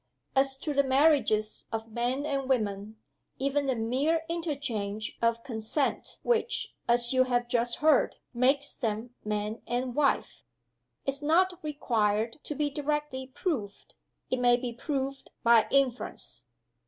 As to the marriages of men and women, even the mere interchange of consent which, as you have just heard, makes them man and wife, is not required to be directly proved: it may be proved by inference.